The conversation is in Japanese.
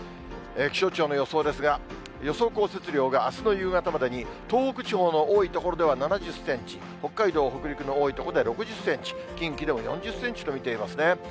気象庁の予想ですが、予想降雪量があすの夕方までに、東北地方の多い所では７０センチ、北海道、北陸の多い所では６０センチ、近畿でも４０センチと見ていますね。